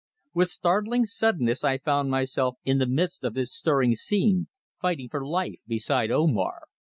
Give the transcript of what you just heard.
With startling suddenness I found myself in the midst of this stirring scene, fighting for life beside Omar.